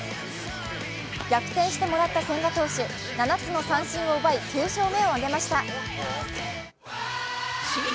逆転してもらった千賀投手、７つの三振を奪い９勝目を挙げました。